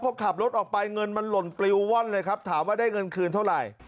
พอขับรถออกไปเงินมันหล่นปลิวว่อนเลยครับถามว่าได้เงินคืนเท่าไหร่